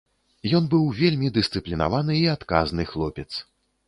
Ён быў вельмі дысцыплінаваны і адказны хлопец.